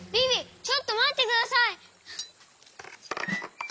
ちょっとまってください！